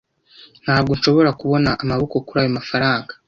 Ntabwo nshobora kubona amaboko kuri ayo mafaranga.